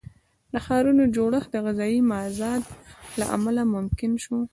د ښارونو جوړښت د غذایي مازاد له امله ممکن شو.